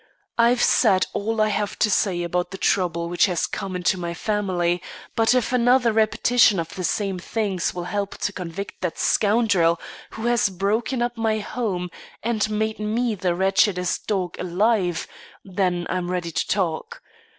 I've said all I have to say about the trouble which has come into my family; but if another repetition of the same things will help to convict that scoundrel who has broken up my home and made me the wretchedest dog alive, then I'm ready to talk.